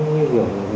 cái kiểu là vì